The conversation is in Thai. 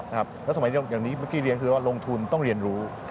แล้วสมัยอย่างนี้เมื่อกี้เรียนคือว่าลงทุนต้องเรียนรู้